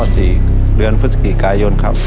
ที่เฮือนฟุตกรีกายยนต์ครับ